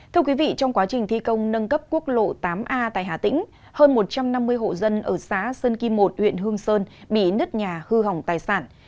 thưa quý vị trong quá trình thi công nâng cấp quốc lộ tám a tại hà tĩnh hơn một trăm năm mươi hộ dân ở xã sơn kim một huyện hương sơn bị nứt nhà hư hỏng tài sản